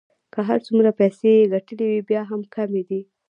که هر څومره پیسې يې ګټلې وې بیا هم کمې دي.